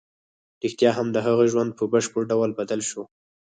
رښتیا هم د هغه ژوند په بشپړ ډول بدل شو